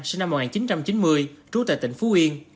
sinh năm một nghìn chín trăm chín mươi trú tại tỉnh phú yên